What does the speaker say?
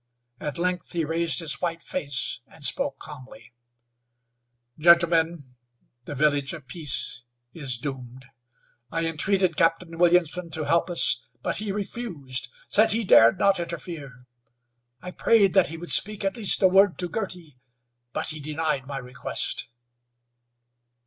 At length he raised his white face and spoke calmly: "Gentlemen, the Village of Peace is doomed. I entreated Captain Williamson to help us, but he refused. Said he dared not interfere. I prayed that he would speak at least a word to Girty, but he denied my request."